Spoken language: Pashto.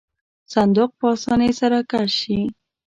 صندوق په آسانۍ سره کش شي.